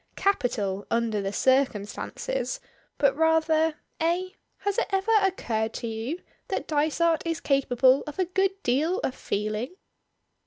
"Capital, under the circumstances, but rather, eh? Has it ever occurred to you that Dysart is capable of a good deal of feeling?"